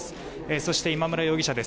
そして今村容疑者です。